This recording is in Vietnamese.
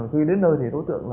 khi đến nơi thì đối tượng